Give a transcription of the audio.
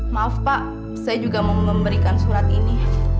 maaf pak saya juga mau memberikan surat ini